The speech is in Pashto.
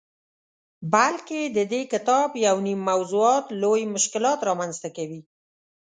بلکه ددې کتاب یونیم موضوعات لوی مشکلات رامنځته کوي.